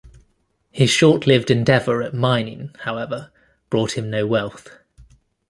His short-lived endeavor at mining, however, brought him no wealth.